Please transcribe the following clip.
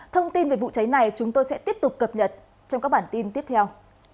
thông tin về vụ cháy này chúng tôi sẽ tiếp tục cập nhật trong các bản tin tiếp theo